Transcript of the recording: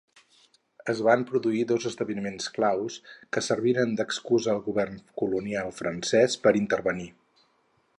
Es van produir dos esdeveniments claus que servirien d'excusa al govern colonial francès per intervenir.